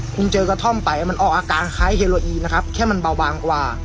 คุณเจอกระท่อมไปมันออกอาการคล้ายเฮโลอีนะครับแค่มันเบาบางกว่า